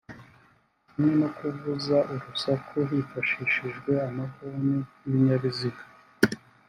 Kimwe no kuvuza urusaku hifashishijwe amahoni y’ibinyabiziga